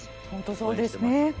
本当にそうですね。